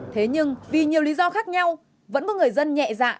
thế nhưng vì nhiều lý do khác nhau vẫn có người dân nhẹ dạ